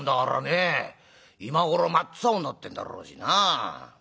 今頃真っ青になってんだろうしな。